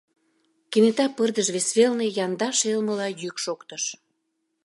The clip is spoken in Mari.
Кенета пырдыж вес велне янда шелмыла йӱк шоктыш.